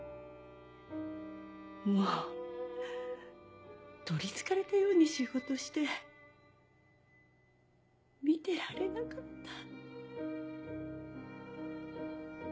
もう取りつかれたように仕事して見てられなかった。